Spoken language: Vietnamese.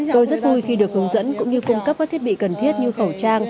tôi rất vui khi được hướng dẫn cũng như cung cấp các thiết bị cần thiết như khẩu trang